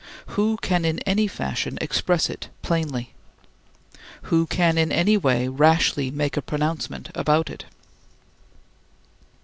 Who can in any fashion express it plainly? Who can in any way rashly make a pronouncement about it?